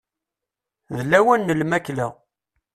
D lawan n lmakla.